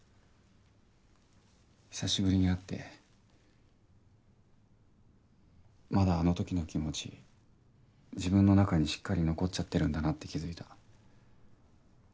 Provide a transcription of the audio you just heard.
久しぶりに会ってまだあの時の気持ち自分の中にしっかり残っちゃってるんだなって気づいた。